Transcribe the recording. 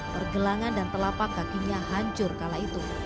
pergelangan dan telapak kakinya hancur kala itu